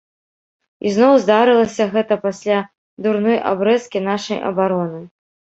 І зноў здарылася гэта пасля дурной абрэзкі нашай абароны.